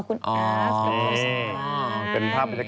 อ๋อคุณอาร์ฟตัวผมสงการ